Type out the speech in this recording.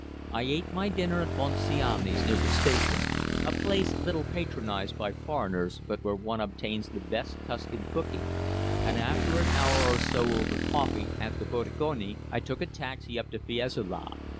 I ate my dinner at Bonciani's, near the station, a place little patronized by foreigners, but where one obtains the best Tuscan cooking and after an hour or so over coffee at the Bottegone, I took a taxi up to Fiesole.